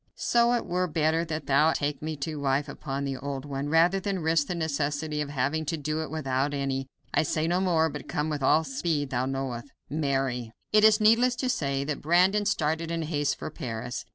So it were better that thou take me to wife upon the old one, rather than risk the necessity of having to do it without any. I say no more, but come with all the speed thou knowest. "MARY." It is needless to say that Brandon started in haste for Paris.